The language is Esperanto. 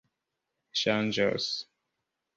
ŝanĝos